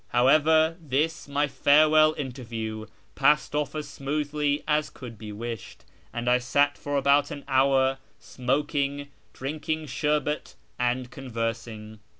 However, this, my farewell inter view, passed off as smoothly as could be wished, and I sat for about an hour smoking, drinking sherbet, and conversing.